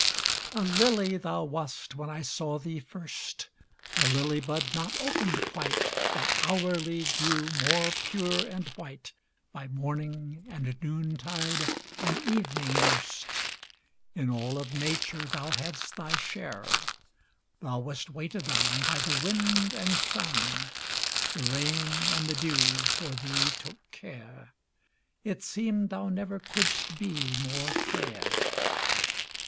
A lily thou wast when I saw thee first, A lily bud not opened quite, That hourly grew more pure and white, By morning, and noontide, and evening nursed: In all of nature thou hadst thy share; Thou wast waited on By the wind and sun; The rain and the dew for thee took care; It seemed thou never couldst be more fair.